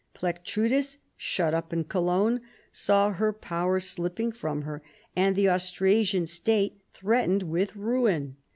Plectrudis, shut up in Cohjgne, saw her power slip ping from her and the Austrasian state threatened with ruin.